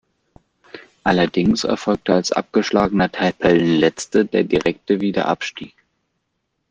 Allerdings erfolgte als abgeschlagener Tabellenletzter der direkte Wiederabstieg.